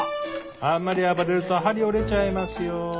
あんまり暴れると針折れちゃいますよ。